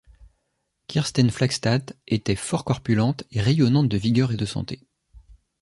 Kirsten Flagstad était fort corpulente et rayonnante de vigueur et de santé.